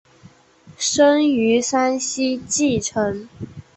生于山西晋城。